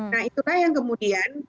nah itulah yang kemudian